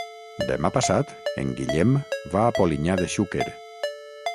Demà passat en Guillem va a Polinyà de Xúquer.